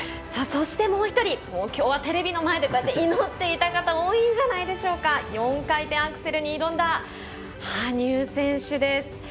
そして、もう１人きょうはテレビの前で祈っていた方も多いんじゃないでしょうか、４回転アクセルに挑んだ羽生選手です。